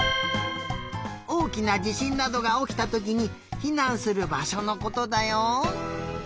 おおきなじしんなどがおきたときにひなんするばしょのことだよ。